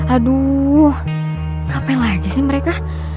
aduh ngapain lagi sih mereka